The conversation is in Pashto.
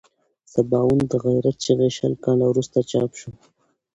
سباوون د غیرت چغې شل کاله وروسته چاپ شوه.